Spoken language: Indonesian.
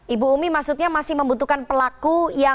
ibu umi maksudnya masih membutuhkan pelaku